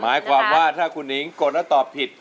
หมายความว่าถ้าคุณนิ้งกดแล้วตอบผิด